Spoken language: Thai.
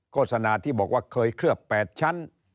โฆษณาที่บอกว่าเคยเคลือบ๘ชั้น